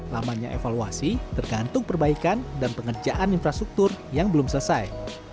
lamanya evaluasi tergantung perbaikan dan pengerjaan infrastruktur yang belum selesai